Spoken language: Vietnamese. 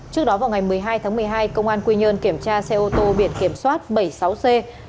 trước đó vào ngày một mươi hai tháng một mươi hai công an quy nhơn kiểm tra xe ô tô biển kiểm soát bảy mươi sáu c tám trăm ba mươi ba